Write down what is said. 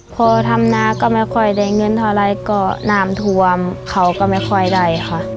พอทำนาก็ไม่ค่อยได้เงินเท่าไรก็น้ำท่วมเขาก็ไม่ค่อยได้ค่ะ